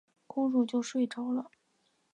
公主就睡着了。